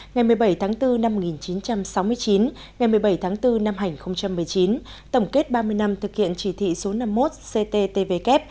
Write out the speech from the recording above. ngày một mươi bảy tháng bốn năm một nghìn chín trăm sáu mươi chín ngày một mươi bảy tháng bốn năm hai nghìn một mươi chín tổng kết ba mươi năm thực hiện chỉ thị số năm mươi một cttvk